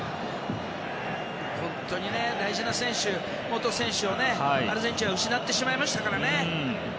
本当に大事な選手元選手をアルゼンチンは失ってしまいましたからね。